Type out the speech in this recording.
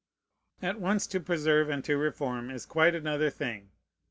At once to preserve and to reform is quite another thing.